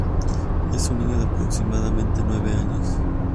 Es un niño de aproximadamente nueve años.